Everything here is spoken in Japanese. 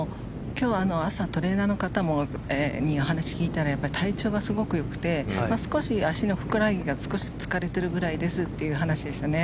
今日の朝、トレーナーの方にお話を聞いたら体調がすごくよくて少し足のふくらはぎが少し疲れてるぐらいですという話でしたね。